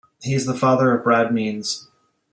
He is the father of Brad Means.